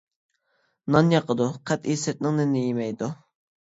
نان ياقىدۇ، قەتئىي سىرتنىڭ نېنىنى يېمەيدۇ.